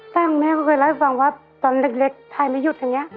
ตั้งแม่ก็เลยฟังว่าตอนเล็กถ่ายไม่หยุดอย่างนี้